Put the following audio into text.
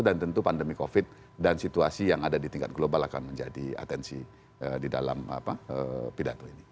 dan tentu pandemi covid dan situasi yang ada di tingkat global akan menjadi atensi di dalam pidatonya